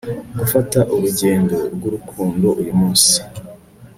gufata urugendo rwurukundo uyumunsi